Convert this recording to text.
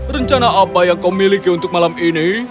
rencana apa yang kau miliki untuk malam ini